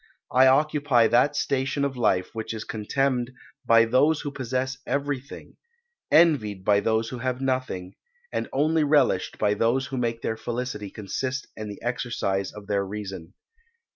I occupy that station of life which is contemned by those who possess everything; envied by those who have nothing; and only relished by those who make their felicity consist in the exercise of their reason.